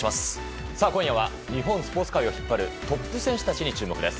今夜は日本スポーツ界を引っ張るトップアスリートたちに注目です。